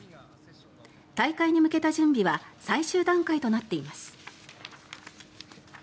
大会に向けた準備は最終段階となっています。